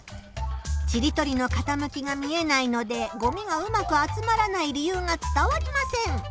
ちりとりのかたむきが見えないのでごみがうまく集まらない理由が伝わりません。